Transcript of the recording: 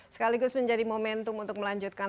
sekaligus menjadi momentum untuk melanjutkan